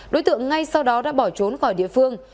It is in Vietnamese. đối tượng ngay sau đó đã bỏ trốn khỏi địa phương